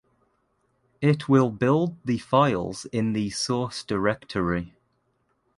It will build the files in the source directory